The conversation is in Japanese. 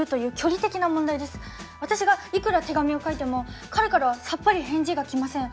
私がいくら手紙を書いても彼からはさっぱり返事が来ません。